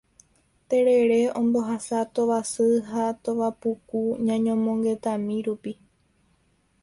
Terere ombohasa tovasy ha tovapuku ñañomongetami rupi.